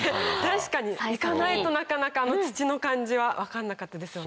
確かに行かないとなかなかあの土の感じは分かんなかったですよね。